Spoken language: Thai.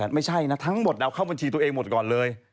ไม่ใช่นะทั้งหมดเอาเข้าบัญชีตัวเองหมดก่อนเลย